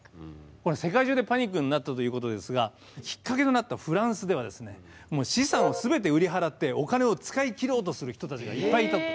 これ世界中でパニックになったということですがきっかけとなったフランスでは資産を全て売り払ってお金を使い切ろうとする人たちがいっぱいいたと。